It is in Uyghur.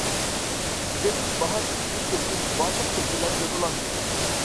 زېمىن باھار تۈسىگە كىردى، بارلىق شەيئىلەر يېڭىلاندى.